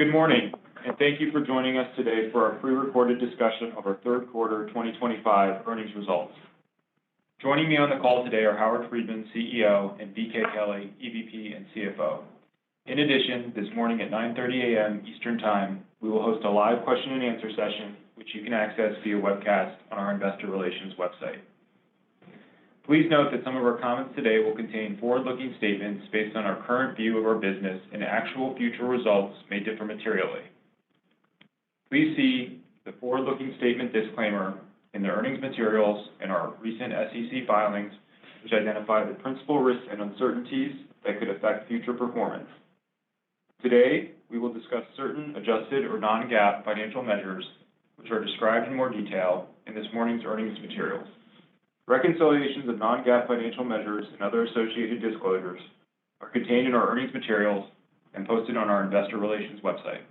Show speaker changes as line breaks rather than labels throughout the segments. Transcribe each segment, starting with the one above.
Good morning, and thank you for joining us today for our pre-recorded discussion of our third quarter 2025 earnings results. Joining me on the call today are Howard Friedman, CEO, and BK Kelley, EVP and CFO. In addition, this morning at 9:30 A.M. Eastern Time, we will host a live question-and-answer session, which you can access via webcast on our Investor Relations website. Please note that some of our comments today will contain forward-looking statements based on our current view of our business, and actual future results may differ materially. Please see the forward-looking statement disclaimer in the earnings materials and our recent SEC filings, which identify the principal risks and uncertainties that could affect future performance. Today, we will discuss certain adjusted or non-GAAP financial measures, which are described in more detail in this morning's earnings materials. Reconciliations of non-GAAP financial measures and other associated disclosures are contained in our earnings materials and posted on our investor relations website.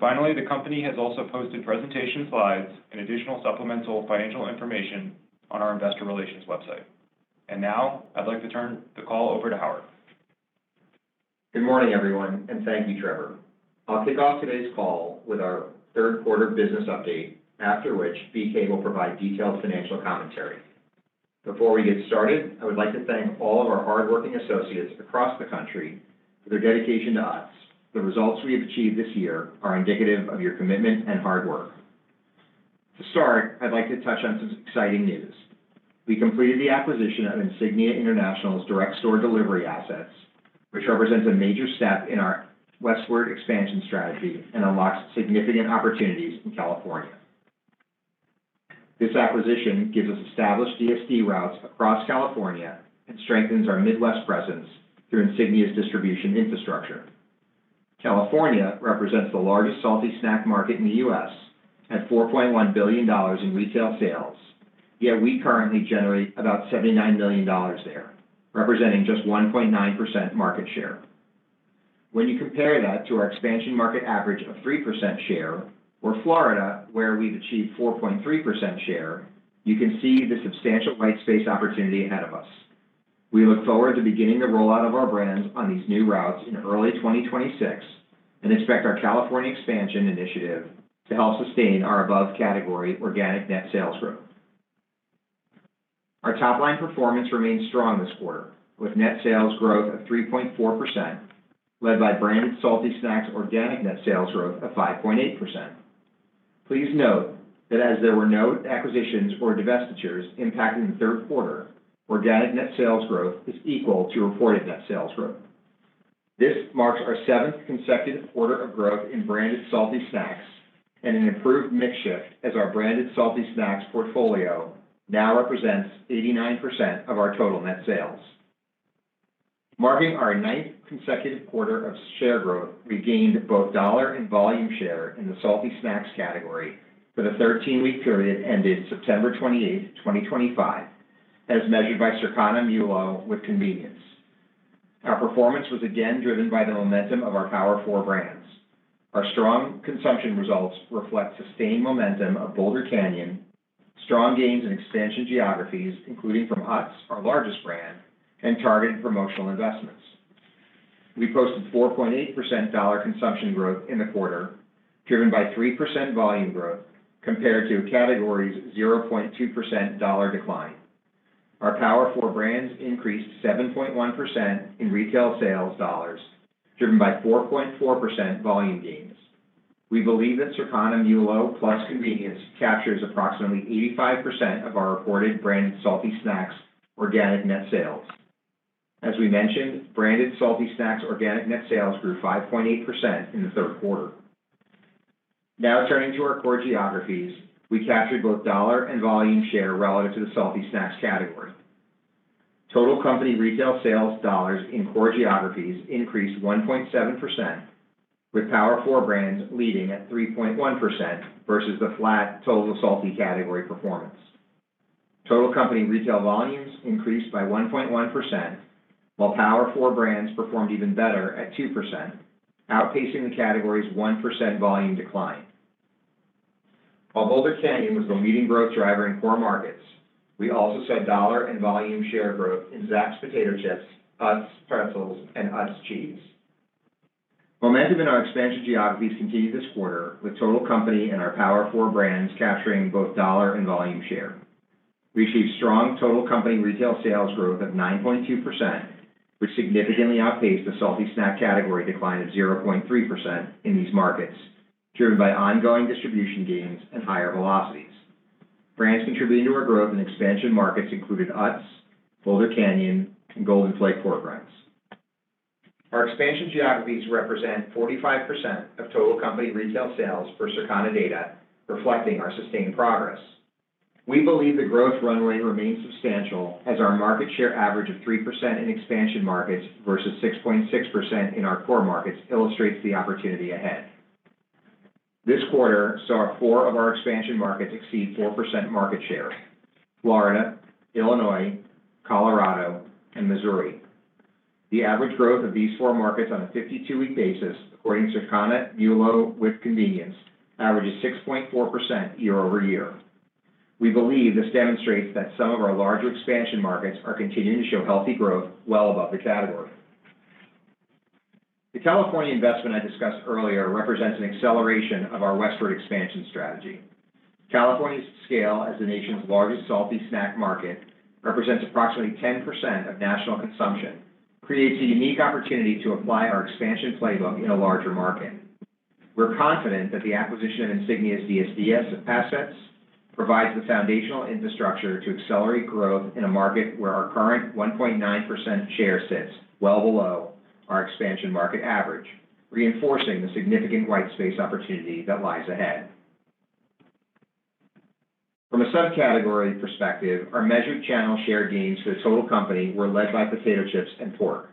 Finally, the company has also posted presentation slides and additional supplemental financial information on our investor relations website. And now, I'd like to turn the call over to Howard.
Good morning, everyone, and thank you, Trevor. I'll kick off today's call with our third quarter business update, after which BK will provide detailed financial commentary. Before we get started, I would like to thank all of our hardworking associates across the country for their dedication to us. The results we have achieved this year are indicative of your commitment and hard work. To start, I'd like to touch on some exciting news. We completed the acquisition of Insignia International's direct store delivery assets, which represents a major step in our westward expansion strategy and unlocks significant opportunities in California. This acquisition gives us established DSD routes across California and strengthens our Midwest presence through Insignia's distribution infrastructure. California represents the largest salty snack market in the U.S., at $4.1 billion in retail sales, yet we currently generate about $79 million there, representing just 1.9% market share. When you compare that to our expansion market average of 3% share, or Florida, where we've achieved 4.3% share, you can see the substantial white space opportunity ahead of us. We look forward to beginning the rollout of our brands on these new routes in early 2026 and expect our California expansion initiative to help sustain our above-category organic net sales growth. Our top-line performance remained strong this quarter, with net sales growth of 3.4%, led by Utz Brands Salty Snacks organic net sales growth of 5.8%. Please note that as there were no acquisitions or divestitures impacting the third quarter, organic net sales growth is equal to reported net sales growth. This marks our seventh consecutive quarter of growth in Utz Brands Salty Snacks and an improved makeup as our Utz Brands Salty Snacks portfolio now represents 89% of our total net sales. Marking our ninth consecutive quarter of share growth, we gained both dollar and volume share in the salty snacks category for the 13-week period ended September 28, 2025, as measured by Circana MULO with convenience. Our performance was again driven by the momentum of our Power Four Brands. Our strong consumption results reflect sustained momentum of Boulder Canyon, strong gains in expansion geographies, including from Utz, our largest brand, and targeted promotional investments. We posted 4.8% dollar consumption growth in the quarter, driven by 3% volume growth compared to a category's 0.2% dollar decline. Our Power Four Brands increased 7.1% in retail sales dollars, driven by 4.4% volume gains. We believe that Circana MULO+ convenience captures approximately 85% of our reported Branded Salty Snacks organic net sales. As we mentioned, Branded Salty Snacks organic net sales grew 5.8% in the third quarter. Now turning to our core geographies, we captured both dollar and volume share relative to the salty snacks category. Total company retail sales dollars in core geographies increased 1.7%, with Power Four Brands leading at 3.1% versus the flat total salty category performance. Total company retail volumes increased by 1.1%, while Power Four Brands performed even better at 2%, outpacing the category's 1% volume decline. While Boulder Canyon was the leading growth driver in core markets, we also saw dollar and volume share growth in Zapp's Potato Chips, Utz Pretzels, and Utz Cheese. Momentum in our expansion geographies continued this quarter, with total company and our Power Four Brands capturing both dollar and volume share. We achieved strong total company retail sales growth of 9.2%, which significantly outpaced the salty snack category decline of 0.3% in these markets, driven by ongoing distribution gains and higher velocities. Brands contributing to our growth in expansion markets included Utz, Boulder Canyon, and Golden Flake pork rinds. Our expansion geographies represent 45% of total company retail sales per Circana data, reflecting our sustained progress. We believe the growth runway remains substantial as our market share average of 3% in expansion markets versus 6.6% in our core markets illustrates the opportunity ahead. This quarter saw four of our expansion markets exceed 4% market share: Florida, Illinois, Colorado, and Missouri. The average growth of these four markets on a 52-week basis, according to Circana MULO with convenience, averages 6.4% year-over-year. We believe this demonstrates that some of our larger expansion markets are continuing to show healthy growth well above the category. The California investment I discussed earlier represents an acceleration of our westward expansion strategy. California's scale as the nation's largest salty snack market represents approximately 10% of national consumption. It creates a unique opportunity to apply our expansion playbook in a larger market. We're confident that the acquisition of Insignia's DSD assets provides the foundational infrastructure to accelerate growth in a market where our current 1.9% share sits well below our expansion market average, reinforcing the significant white space opportunity that lies ahead. From a subcategory perspective, our measured channel share gains for the total company were led by potato chips and pork.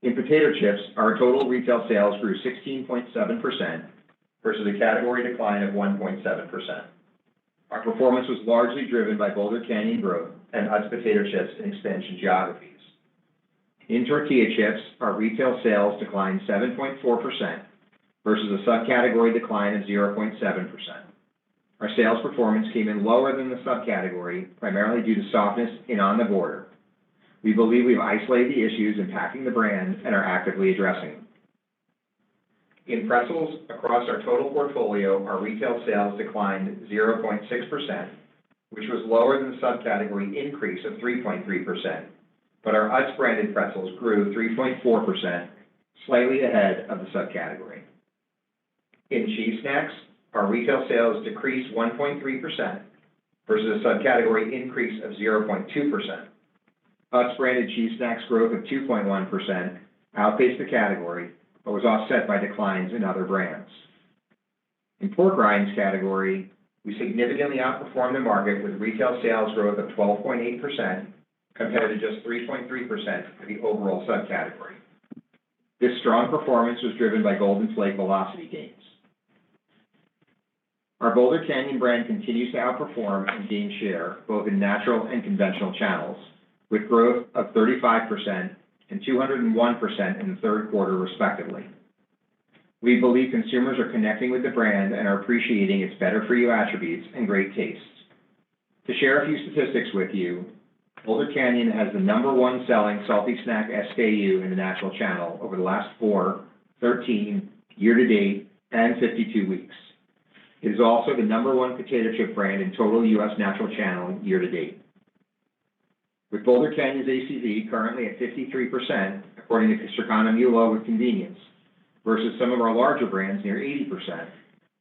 In potato chips, our total retail sales grew 16.7% versus a category decline of 1.7%. Our performance was largely driven by Boulder Canyon growth and Utz Potato Chips in expansion geographies. In tortilla chips, our retail sales declined 7.4% versus a subcategory decline of 0.7%. Our sales performance came in lower than the subcategory, primarily due to softness in On The Border. We believe we've isolated the issues impacting the brand and are actively addressing them. In pretzels, across our total portfolio, our retail sales declined 0.6%, which was lower than the subcategory increase of 3.3%, but our Utz's branded pretzels grew 3.4%, slightly ahead of the subcategory. In cheese snacks, our retail sales decreased 1.3% versus a subcategory increase of 0.2%. Utz's branded cheese snacks growth of 2.1% outpaced the category but was offset by declines in other brands. In pork rinds category, we significantly outperformed the market with retail sales growth of 12.8% compared to just 3.3% for the overall subcategory. This strong performance was driven by Golden Flake velocity gains. Our Boulder Canyon brand continues to outperform and gain share both in natural and conventional channels, with growth of 35% and 201% in the third quarter, respectively. We believe consumers are connecting with the brand and are appreciating its better-for-you attributes and great taste. To share a few statistics with you, Boulder Canyon has the number one selling salty snack SKU in the natural channel over the last four, 13, year to date, and 52 weeks. It is also the number one potato chip brand in total U.S. natural channel year to date. With Boulder Canyon's ACV currently at 53%, according to Circana MULO with convenience, versus some of our larger brands near 80%,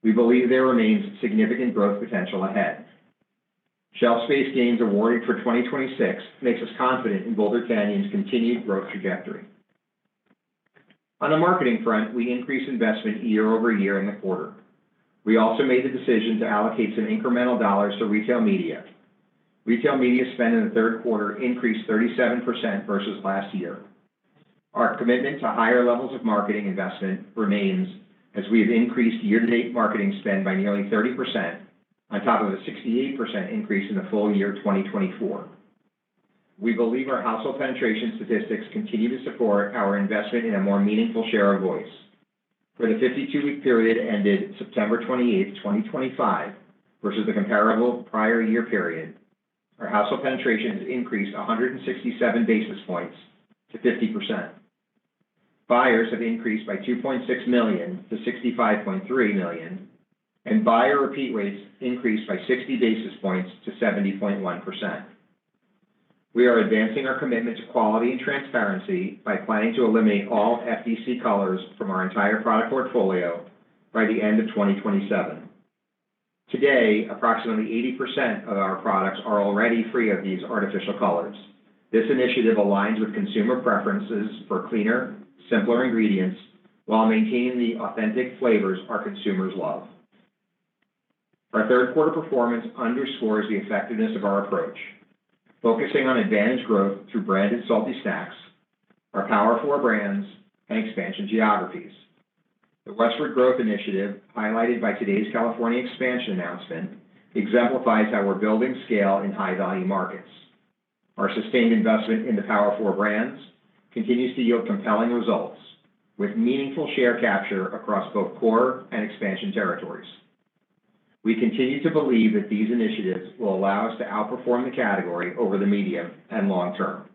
we believe there remains significant growth potential ahead. Shelf space gains awarded for 2026 makes us confident in Boulder Canyon's continued growth trajectory. On the marketing front, we increased investment year-over-year in the quarter. We also made the decision to allocate some incremental dollars to retail media. Retail media spend in the third quarter increased 37% versus last year. Our commitment to higher levels of marketing investment remains as we have increased year-to-date marketing spend by nearly 30% on top of a 68% increase in the full year 2024. We believe our household penetration statistics continue to support our investment in a more meaningful share of voice. For the 52-week period ended September 28, 2025, versus the comparable prior year period, our household penetration has increased 167 basis points to 50%. Buyers have increased by 2.6 million to 65.3 million, and buyer repeat rates increased by 60 basis points to 70.1%. We are advancing our commitment to quality and transparency by planning to eliminate all FD&C colors from our entire product portfolio by the end of 2027. Today, approximately 80% of our products are already free of these artificial colors. This initiative aligns with consumer preferences for cleaner, simpler ingredients while maintaining the authentic flavors our consumers love. Our third quarter performance underscores the effectiveness of our approach, focusing on advanced growth through branded salty snacks, our Power Four Brands, and expansion geographies. The westward growth initiative highlighted by today's California expansion announcement exemplifies how we're building scale in high-value markets. Our sustained investment in the Power Four Brands continues to yield compelling results with meaningful share capture across both core and expansion territories. We continue to believe that these initiatives will allow us to outperform the category over the medium and long term.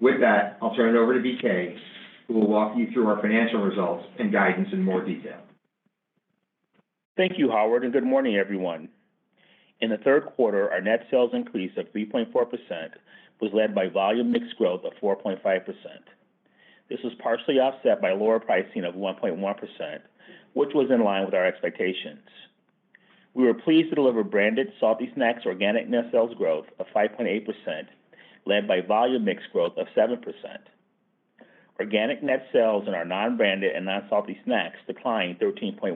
With that, I'll turn it over to BK, who will walk you through our financial results and guidance in more detail.
Thank you, Howard, and good morning, everyone. In the third quarter, our net sales increase of 3.4% was led by volume mix growth of 4.5%. This was partially offset by lower pricing of 1.1%, which was in line with our expectations. We were pleased to deliver branded salty snacks organic net sales growth of 5.8%, led by volume mix growth of 7%. Organic net sales in our non-branded and non-salty snacks declined 13.1%.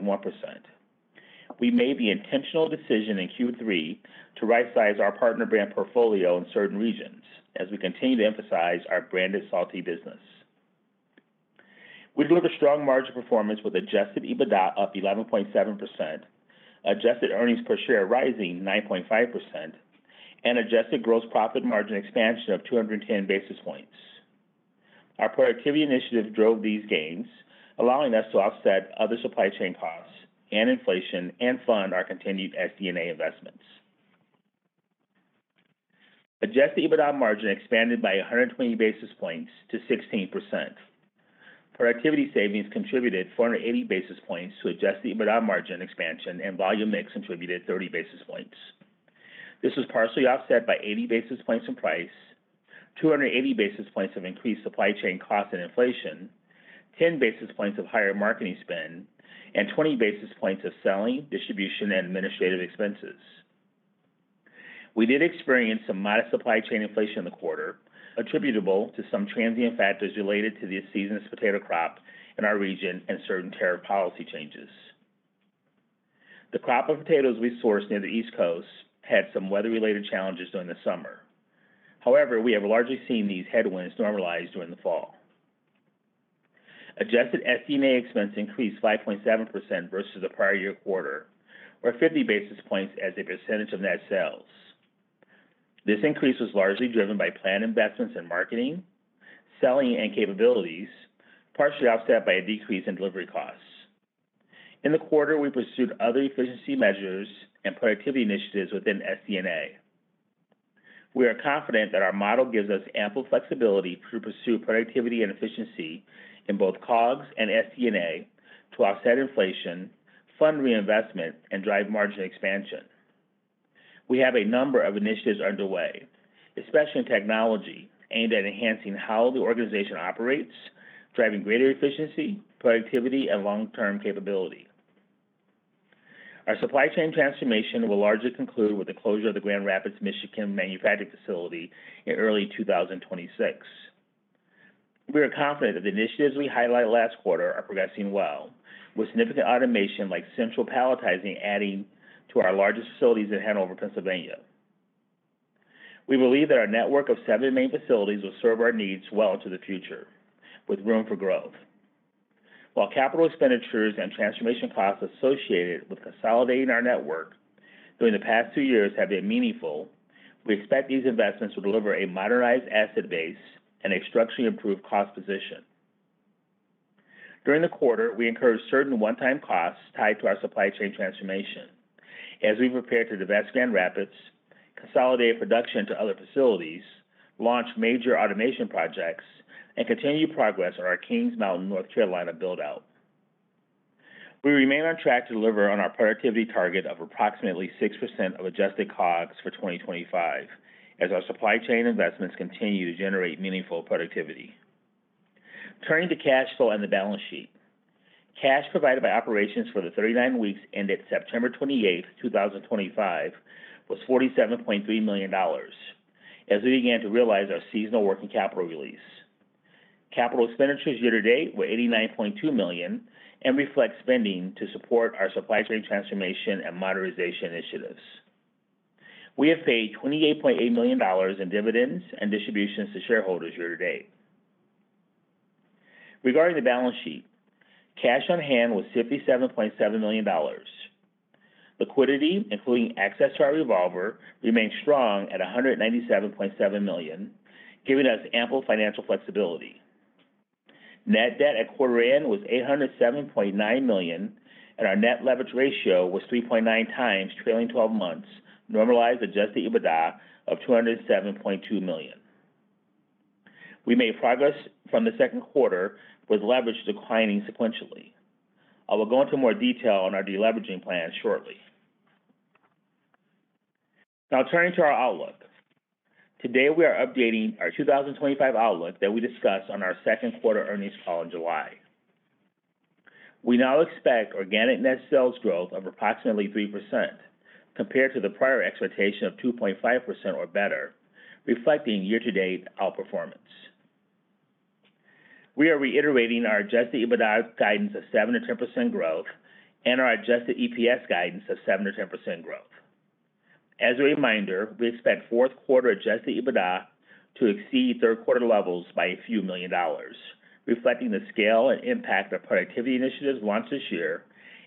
We made the intentional decision in Q3 to right-size our partner brand portfolio in certain regions as we continue to emphasize our branded salty business. We delivered strong margin performance with Adjusted EBITDA up 11.7%, adjusted earnings per share rising 9.5%, and adjusted gross profit margin expansion of 210 basis points. Our productivity initiative drove these gains, allowing us to offset other supply chain costs and inflation and fund our continued SD&A investments. Adjusted EBITDA margin expanded by 120 basis points to 16%. Productivity savings contributed 480 basis points to adjusted EBITDA margin expansion, and volume mix contributed 30 basis points. This was partially offset by 80 basis points in price, 280 basis points of increased supply chain costs and inflation, 10 basis points of higher marketing spend, and 20 basis points of selling, distribution, and administrative expenses. We did experience some modest supply chain inflation in the quarter, attributable to some transient factors related to the season's potato crop in our region and certain tariff policy changes. The crop of potatoes we sourced near the East Coast had some weather-related challenges during the summer. However, we have largely seen these headwinds normalize during the fall. Adjusted SD&A expense increased 5.7% versus the prior year quarter, or 50 basis points as a percentage of net sales. This increase was largely driven by planned investments in marketing, selling, and capabilities, partially offset by a decrease in delivery costs. In the quarter, we pursued other efficiency measures and productivity initiatives within SD&A. We are confident that our model gives us ample flexibility to pursue productivity and efficiency in both COGS and SD&A to offset inflation, fund reinvestment, and drive margin expansion. We have a number of initiatives underway, especially in technology, aimed at enhancing how the organization operates, driving greater efficiency, productivity, and long-term capability. Our supply chain transformation will largely conclude with the closure of the Grand Rapids, Michigan manufacturing facility in early 2026. We are confident that the initiatives we highlighted last quarter are progressing well, with significant automation like central palletizing adding to our largest facilities in Hanover, Pennsylvania. We believe that our network of seven main facilities will serve our needs well into the future, with room for growth. While capital expenditures and transformation costs associated with consolidating our network during the past two years have been meaningful, we expect these investments to deliver a modernized asset base and a structurally improved cost position. During the quarter, we incurred certain one-time costs tied to our supply chain transformation as we prepared to divest Grand Rapids, consolidate production to other facilities, launch major automation projects, and continue progress on our Kings Mountain, North Carolina build-out. We remain on track to deliver on our productivity target of approximately 6% of adjusted COGS for 2025 as our supply chain investments continue to generate meaningful productivity. Turning to cash flow and the balance sheet, cash provided by operations for the 39 weeks ended September 28th, 2025, was $47.3 million as we began to realize our seasonal working capital release. Capital expenditures year-to-date were $89.2 million and reflect spending to support our supply chain transformation and modernization initiatives. We have paid $28.8 million in dividends and distributions to shareholders year-to-date. Regarding the balance sheet, cash on hand was $57.7 million. Liquidity, including access to our revolver, remained strong at $197.7 million, giving us ample financial flexibility. Net debt at quarter end was $807.9 million, and our net leverage ratio was 3.9x trailing 12 months, normalized Adjusted EBITDA of $207.2 million. We made progress from the second quarter with leverage declining sequentially. I will go into more detail on our deleveraging plan shortly. Now, turning to our outlook, today we are updating our 2025 outlook that we discussed on our second quarter earnings call in July. We now expect organic net sales growth of approximately 3% compared to the prior expectation of 2.5% or better, reflecting year-to-date outperformance. We are reiterating our Adjusted EBITDA guidance of 7%-10% growth and our Adjusted EPS guidance of 7%-10% growth. As a reminder, we expect fourth quarter Adjusted EBITDA to exceed third quarter levels by a few million dollars, reflecting the scale and impact of productivity initiatives launched this year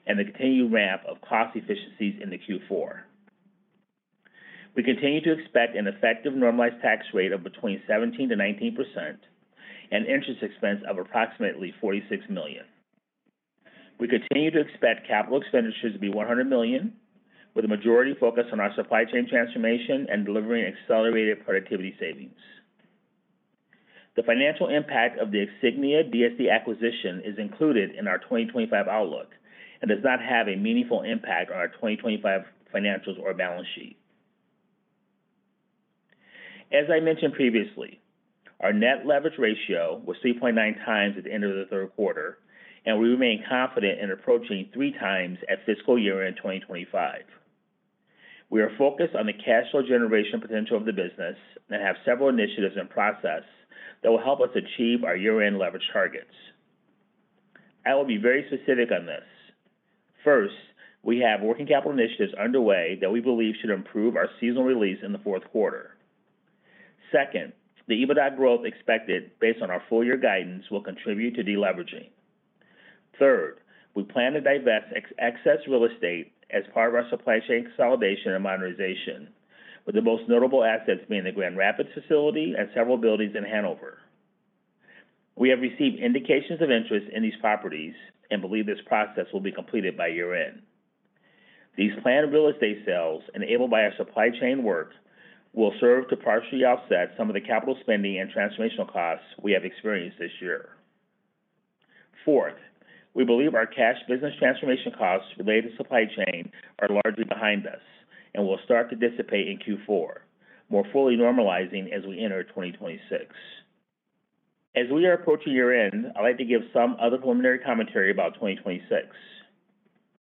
and the continued ramp of cost efficiencies in the Q4. We continue to expect an effective normalized tax rate of between 17%-19% and interest expense of approximately $46 million. We continue to expect capital expenditures to be $100 million, with a majority focus on our supply chain transformation and delivering accelerated productivity savings. The financial impact of the Insignia DSD acquisition is included in our 2025 outlook and does not have a meaningful impact on our 2025 financials or balance sheet. As I mentioned previously, our net leverage ratio was 3.9x at the end of the third quarter, and we remain confident in approaching three times at fiscal year-end 2025. We are focused on the cash flow generation potential of the business and have several initiatives in process that will help us achieve our year-end leverage targets. I will be very specific on this. First, we have working capital initiatives underway that we believe should improve our seasonal release in the fourth quarter. Second, the EBITDA growth expected based on our full-year guidance will contribute to deleveraging. Third, we plan to divest excess real estate as part of our supply chain consolidation and modernization, with the most notable assets being the Grand Rapids facility and several buildings in Hanover. We have received indications of interest in these properties and believe this process will be completed by year-end. These planned real estate sales, enabled by our supply chain work, will serve to partially offset some of the capital spending and transformational costs we have experienced this year. Fourth, we believe our cash business transformation costs related to supply chain are largely behind us and will start to dissipate in Q4, more fully normalizing as we enter 2026. As we are approaching year-end, I'd like to give some other preliminary commentary about 2026.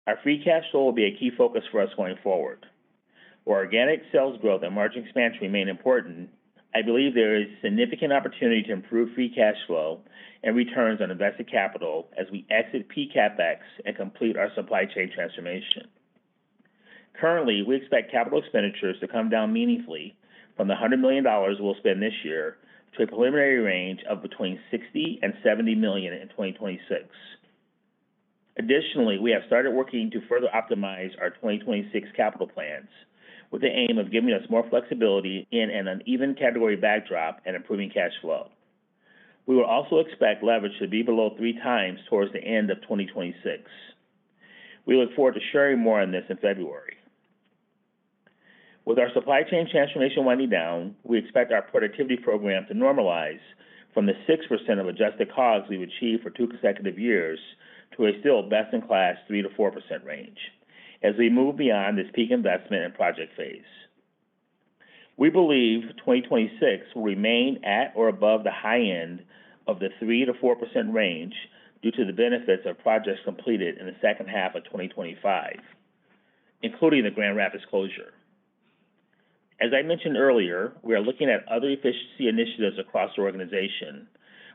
Our free cash flow will be a key focus for us going forward. Where organic sales growth and margin expansion remain important, I believe there is significant opportunity to improve free cash flow and returns on invested capital as we exit CapEx and complete our supply chain transformation. Currently, we expect capital expenditures to come down meaningfully from the $100 million we'll spend this year to a preliminary range of between $60 million and $70 million in 2026. Additionally, we have started working to further optimize our 2026 capital plans with the aim of giving us more flexibility in an uneven category backdrop and improving cash flow. We will also expect leverage to be below three times towards the end of 2026. We look forward to sharing more on this in February. With our supply chain transformation winding down, we expect our productivity program to normalize from the 6% of Adjusted COGS we've achieved for two consecutive years to a still best-in-class 3%-4% range as we move beyond this peak investment and project phase. We believe 2026 will remain at or above the high end of the 3%-4% range due to the benefits of projects completed in the second half of 2025, including the Grand Rapids closure. As I mentioned earlier, we are looking at other efficiency initiatives across the organization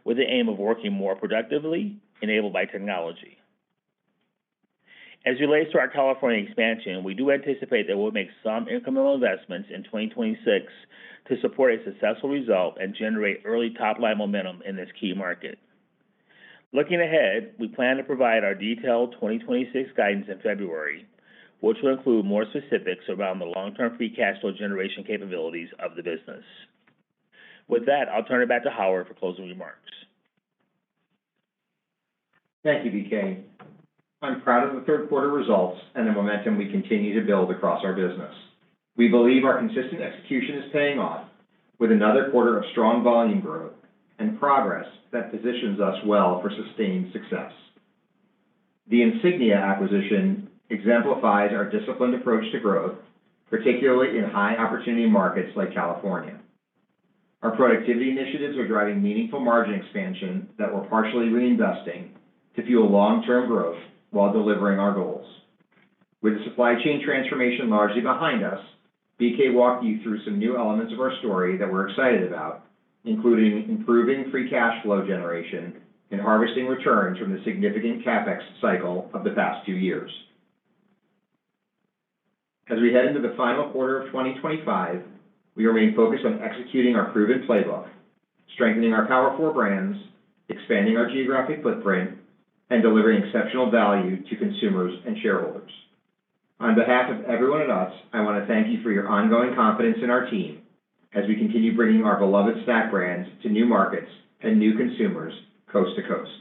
with the aim of working more productively enabled by technology. As it relates to our California expansion, we do anticipate that we'll make some incremental investments in 2026 to support a successful result and generate early top-line momentum in this key market. Looking ahead, we plan to provide our detailed 2026 guidance in February, which will include more specifics around the long-term free cash flow generation capabilities of the business. With that, I'll turn it back to Howard for closing remarks.
Thank you, BK. I'm proud of the third-quarter results and the momentum we continue to build across our business. We believe our consistent execution is paying off with another quarter of strong volume growth and progress that positions us well for sustained success. The Insignia acquisition exemplifies our disciplined approach to growth, particularly in high-opportunity markets like California. Our productivity initiatives are driving meaningful margin expansion that we're partially reinvesting to fuel long-term growth while delivering our goals. With the supply chain transformation largely Behind us, BK walked you through some new elements of our story that we're excited about, including improving free cash flow generation and harvesting returns from the significant CapEx cycle of the past two years. As we head into the final quarter of 2025, we remain focused on executing our proven playbook, strengthening our Power Four Brands, expanding our geographic footprint, and delivering exceptional value to consumers and shareholders. On behalf of everyone at Utz, I want to thank you for your ongoing confidence in our team as we continue bringing our beloved snack brands to new markets and new consumers coast to coast.